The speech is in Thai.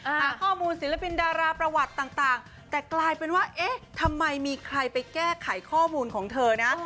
หาข้อมูลศิลปินดาราประวัติต่างแต่กลายเป็นว่าเอ๊ะทำไมมีใครไปแก้ไขข้อมูลของเธอนะ